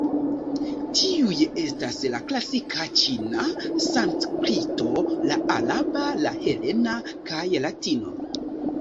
Tiuj estas: la klasika ĉina, Sanskrito, la araba, la helena, kaj Latino.